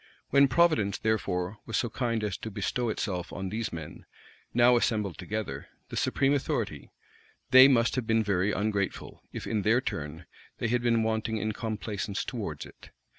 When providence, therefore, was so kind as to bestow on these men, now assembled together, the supreme authority, they must have been very ungrateful, if, in their turn, they had been wanting in complaisance towards it.